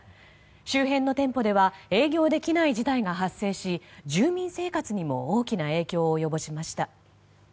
周辺の店舗では営業できない事態が発生し住民生活にも大きな影響を及ぼしました。